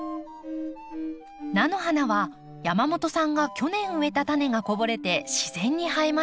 菜の花は山本さんが去年植えたタネがこぼれて自然に生えました。